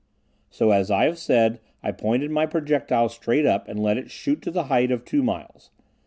So, as I have said, I pointed my projectile straight up and let it shoot to the height of two miles.